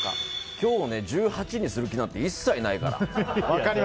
今日は１８にする気なんて一切ないから！